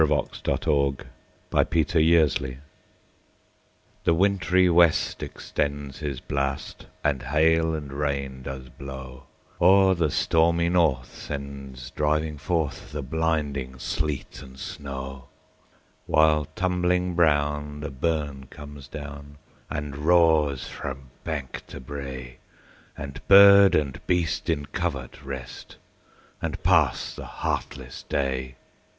1909–14. 1781 15 . Winter: A Dirge THE WINTRY west extends his blast, And hail and rain does blaw; Or the stormy north sends driving forthThe blinding sleet and snaw:While, tumbling brown, the burn comes down, And roars frae bank to brae; And bird and beast in covert rest, And pass the heartless day.